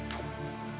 yang pernah dipupuk